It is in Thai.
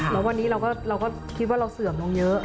แล้ววันนี้เราก็คิดว่าเราเสื่อมลงเยอะ